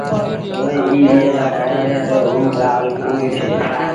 اُئي ايٚ ايٚئي لآ ڪهيآندي تا اوٚ ڳآل پوريٚ ٿئي